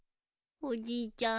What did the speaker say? おじいちゃん